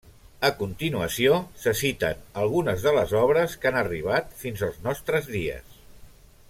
A continuació se citen algunes de les obres que han arribat fins als nostres dies.